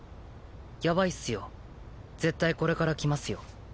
ヤバいっすよ絶対これからきますよ